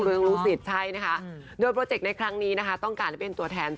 ดีใจที่พี่ระเฟิร์นพูดออกมา